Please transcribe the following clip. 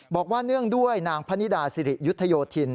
บอกว่าเนื่องด้วยนางพระนิดาศิริยุทธโยธิน